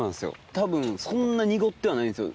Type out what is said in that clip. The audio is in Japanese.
たぶんそんな濁ってはないんですよ。